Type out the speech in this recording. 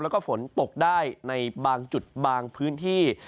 แล้วก็ฝนตกได้ในบางจุดบางพื้นที่